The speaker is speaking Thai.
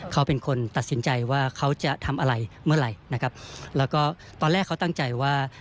เขาเป็นคนตัดสินใจว่าเขาจะทำอะไรเมื่อไหร่นะครับแล้วก็ตอนแรกเขาตั้งใจว่า